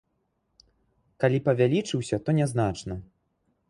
Калі павялічыўся, то нязначна.